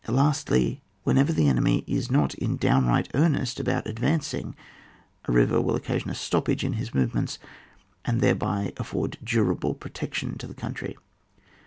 Lasdy, whenever the enemy is not in downright earnest about advan cing, a river will occasion a stoppage in his movements and thereby afford a durable protection to the country.